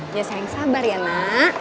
dia sering sabar ya nak